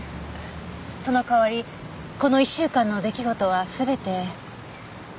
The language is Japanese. その代わりこの１週間の出来事は全て。